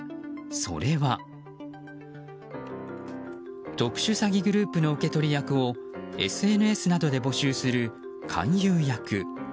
それは、特殊詐欺グループの受け取り役をＳＮＳなどで募集する勧誘役。